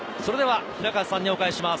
平川さんにお返しします。